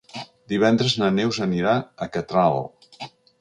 Divendres na Neus anirà a Catral.